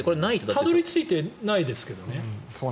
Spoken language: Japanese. たどり着いてないですけどね。